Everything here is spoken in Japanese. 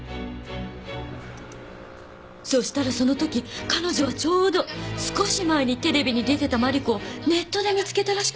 そしたらその時彼女はちょうど少し前にテレビに出てたマリコをネットで見つけたらしくて。